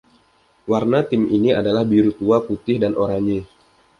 Warna tim ini adalah biru tua, putih, dan oranye.